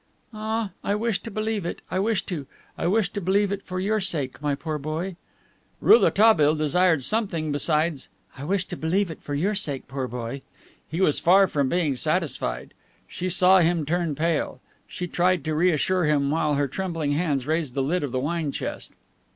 "Ah, I wish to believe it. I wish to. I wish to believe it for your sake, my poor boy." Rouletabille desired something besides "I wish to believe it for your sake, my poor boy." He was far from being satisfied. She saw him turn pale. She tried to reassure him while her trembling hands raised the lid of the wine chest.